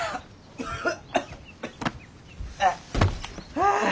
あっはあ。